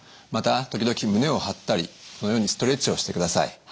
また時々胸を張ったりこのようにストレッチをしてください。